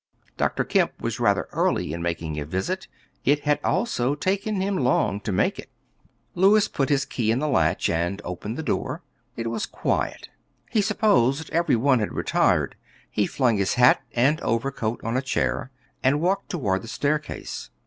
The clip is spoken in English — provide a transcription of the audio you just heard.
Dr. Kemp was rather early in making a visit; it had also taken him long to make it. Louis put his key in the latch and opened the door. It was very quiet; he supposed every one had retired. He flung his hat and overcoat on a chair and walked toward the staircase.